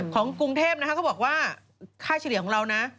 ของกรุงเทพนะคะเขาบอกว่าค่าเฉลี่ยของเรานะ